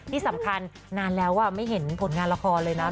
ที่สำคัญนานแล้วไม่เห็นผลงานละครเลยนะ